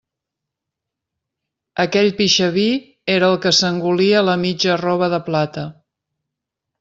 Aquell pixaví era el que s'engolia la mitja arrova de plata.